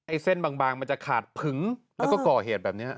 เส้นบางมันจะขาดผึงแล้วก็ก่อเหตุแบบนี้